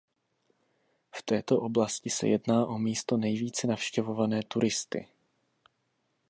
V této oblasti se jedná o místo nejvíce navštěvované turisty.